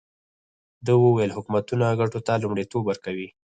ده وویل حکومتونه ګټو ته لومړیتوب ورکوي.